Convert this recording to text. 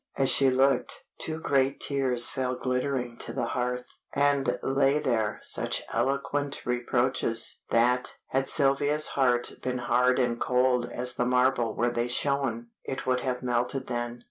As she looked, two great tears fell glittering to the hearth, and lay there such eloquent reproaches, that, had Sylvia's heart been hard and cold as the marble where they shone, it would have melted then.